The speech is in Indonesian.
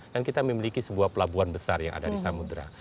dan kita memiliki sebuah pelabuhan besar yang ada di samudera